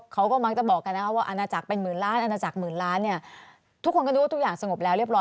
เขาก็มักจะบอกกันนะครับว่าอาณาจักรเป็นหมื่นล้านอาณาจักรหมื่นล้านเนี่ยทุกคนก็รู้ว่าทุกอย่างสงบแล้วเรียบร